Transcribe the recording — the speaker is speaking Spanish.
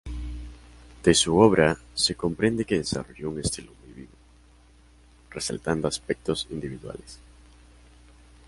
De su obra se desprende que desarrolló un estilo muy vivo, resaltando aspectos individuales.